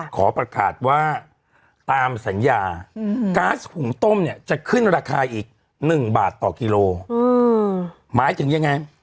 ขอประกาศว่าตามสัญญาก๊าซหุงต้มเนี่ยจะขึ้นราคาอีก๑บาทต่อกิโลหมายถึงยังไง